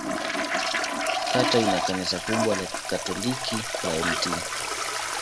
Kata ina kanisa kubwa la Katoliki la Mt.